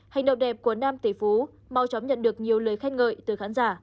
hành động đẹp của nam tỷ phú mau chóng nhận được nhiều lời khen ngợi từ khán giả